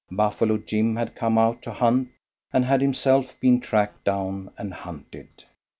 Buffalo Jim had come out to hunt, and had himself been tracked down and hunted.